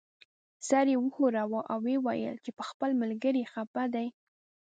سر یې وښوراوه او یې وویل چې په خپل ملګري خپه دی.